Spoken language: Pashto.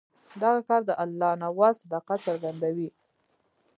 دغه کار د الله نواز صداقت څرګندوي.